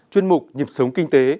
chuyên mục nhịp sống kinh tế